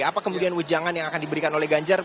apa kemudian wejangan yang akan diberikan oleh ganjar